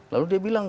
lalu dia bilang